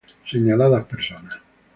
Señaladas personas,